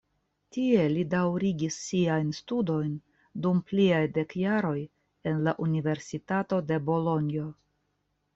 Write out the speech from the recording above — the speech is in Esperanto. Tie li daŭrigis siajn studojn dum pliaj dek jaroj en la Universitato de Bolonjo.